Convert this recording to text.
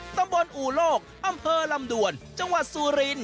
ตำบลอู่โลกอำเภอลำด่วนจังหวัดสุริน